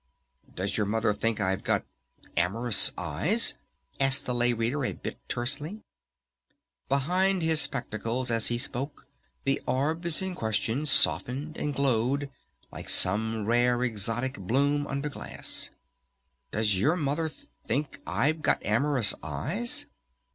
"Does your Mother think I've got ... 'amorous eyes'?" asked the Lay Reader a bit tersely. Behind his spectacles as he spoke the orbs in question softened and glowed like some rare exotic bloom under glass. "Does your Mother ... think I've got amorous eyes?"